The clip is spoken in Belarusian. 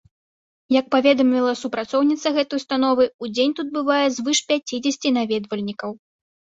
Як паведаміла супрацоўніца гэтай установы, у дзень тут бывае звыш пяцідзесяці наведвальнікаў.